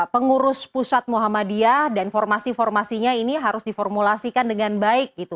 pengurus pusat muhammadiyah dan formasi formasinya ini harus diformulasikan dengan baik gitu